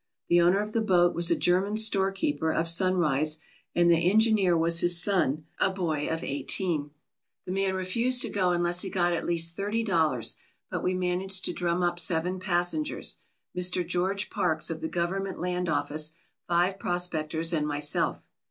The owner of the boat was a German storekeeper of Sunrise, and the engineer was his son, a boy of eighteen. The man refused to go unless he got at least $30, but we managed to drum up seven passengers, Mr. George Parks, of the government land office, five prospectors, and myself.